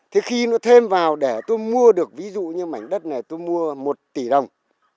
thế khi nó thêm vào để tôi mua được ví dụ như mảnh đất này tôi mua một tỷ đồng